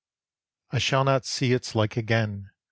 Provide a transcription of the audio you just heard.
I shall not see its like again!